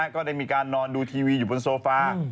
ก็ได้มีการนอนดูทีวีอยู่บนโซฟา